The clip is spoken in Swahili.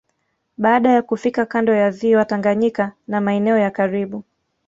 Baada ya kufika kando ya ziwa Tanganyika na maeneo ya karibu